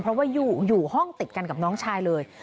เพราะว่าอยู่ห้องติดกันกับน้องชายเลย